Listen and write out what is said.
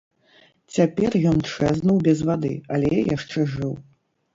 Цяпер ён чэзнуў без вады, але яшчэ жыў.